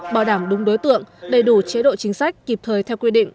bảo đảm đúng đối tượng đầy đủ chế độ chính sách kịp thời theo quy định